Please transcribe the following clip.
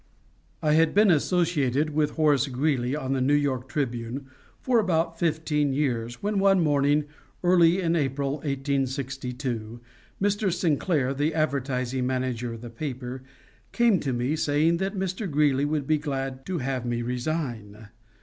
I had been associated with Horace Greeley on the New York Tribune for about fifteen years when, one morning early in April, 1862, Mr. Sinclair, the advertising manager of the paper, came to me, saying that Mr. Greeley would be glad to have me resign.